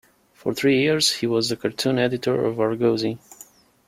For three years, he was the cartoon editor of "Argosy".